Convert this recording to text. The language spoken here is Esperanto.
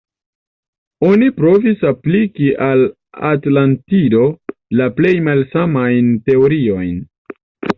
Oni provis apliki al Atlantido la plej malsamajn teoriojn.